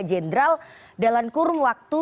jenderal dalam kurun waktu